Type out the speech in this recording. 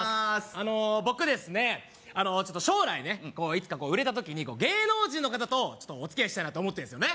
あの僕ですねちょっと将来ねいつか売れた時に芸能人の方とちょっとお付き合いしたいなと思ってんすよね